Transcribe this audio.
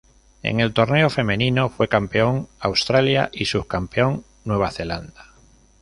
En el torneo femenino fue campeón Australia y subcampeón Nueva Zelanda.